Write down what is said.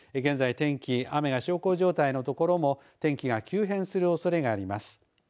現在天気雨が小康状態の所も天気が急変するおそれがあります。